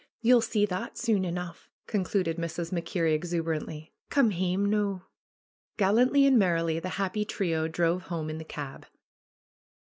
Ye'll see that soon enough," concluded Mrs. MacKerrie exuberantly. ^^Come hame noo." Gallantly and merrily the happy trio drove home in the cab.